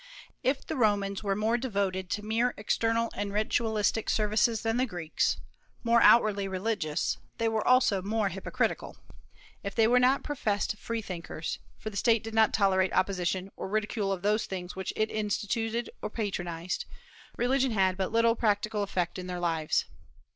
If the Romans were more devoted to mere external and ritualistic services than the Greeks, more outwardly religious, they were also more hypocritical. If they were not professed freethinkers, for the State did not tolerate opposition or ridicule of those things which it instituted or patronized, religion had but little practical effect on their lives.